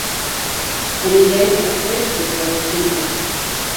Але я не адпрэчваю беларускую мову.